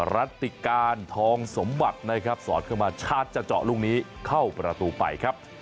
รัติการทองสมบัตินะครับสอดเข้ามาชาติจะเจาะลูกนี้เข้าประตูไปครับ